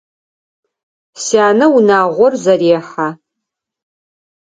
Сянэ унагъор зэрехьэ.